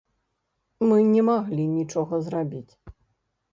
Мы не маглі нічога зрабіць.